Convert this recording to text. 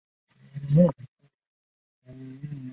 女孩罗一笑的父亲罗尔是一名深圳媒体人。